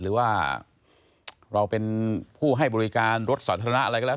หรือว่าเราเป็นผู้ให้บริการรถสาธารณะอะไรก็แล้ว